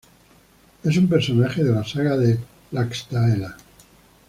Es un personaje de la "saga de Laxdœla".